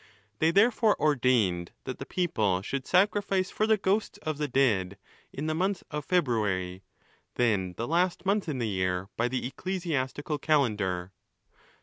They therefore ordained that the people should sacrifice for the ghosts of the dead, in the month of February, then the last month in the year by the ecclesiastical calendar.